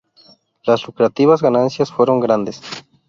Las lucrativas ganancias fueron grandes.